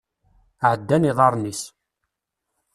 Ɛeddan iḍarren-is.